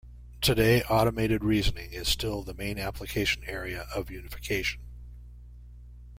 Today, automated reasoning is still the main application area of unification.